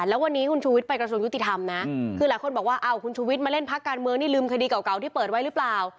แล้ววันนี้คุณชูวิทย์ไปกระทรวงยุติธรรมนะคือหลายคนบอกว่าอ้าวคุณชูวิทย์มาเล่นพักการเมืองนี่ลืมคดีเก่าที่เปิดไว้หรือเปล่า